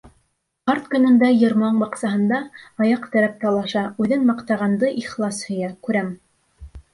Ҡарт көнөндә йыр-моң баҡсаһында Аяҡ терәп талаша, Үҙен маҡтағанды ихлас һөйә, Күрәм